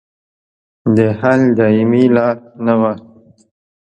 د حل دایمي لار نه وه.